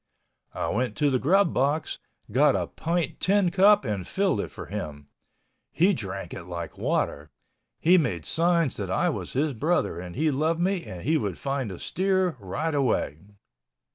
I went to the grub box, got a pint tin cup and filled it for him. He drank it like water. He made signs that I was his brother and he loved me and he would find the steer right away.